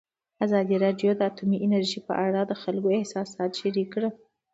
ازادي راډیو د اټومي انرژي په اړه د خلکو احساسات شریک کړي.